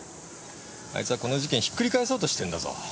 あいつはこの事件ひっくり返そうとしてんだぞ。